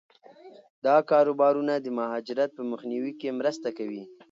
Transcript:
دا کاروبارونه د مهاجرت په مخنیوي کې مرسته کوي.